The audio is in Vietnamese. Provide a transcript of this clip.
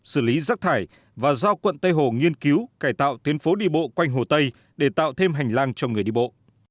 xử lý rác thải và giao quận tây hồ nghiên cứu cải tạo tuyến phố đi bộ quanh hồ tây để tạo thêm hành lang cho người đi bộ